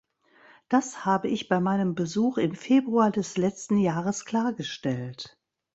Das habe ich bei meinem Besuch im Februar des letzten Jahres klargestellt.